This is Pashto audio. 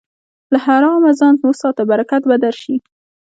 له حرامه ځان وساته، برکت به درشي.